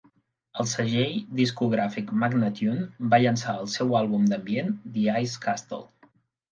El segell discogràfic Magnatune va llançar el seu àlbum d'ambient "The Ice Castle".